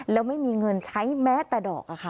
แล้วไม่มีเงินใช้แม้แต่ดอกอะค่ะ